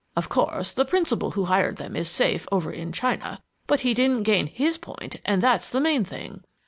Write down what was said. Of course, the principal who hired them is safe, over in China, but he didn't gain his point, and that's the main thing!